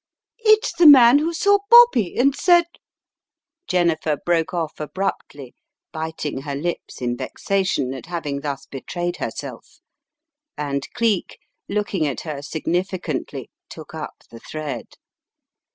"It's the man who saw Bobby, and said " Jennifer broke off abruptly, biting her lips in vexa An Unexpected Contretemps 291 tion at having thus betrayed herself, and Cleek, look ing at her significantly, took up the thread.